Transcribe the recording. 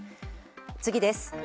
次です。